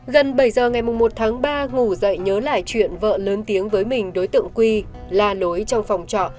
gần bảy giờ ngày một tháng ba ngủ dậy nhớ lại chuyện vợ lớn tiếng với mình đối tượng quy la lối trong phòng trọ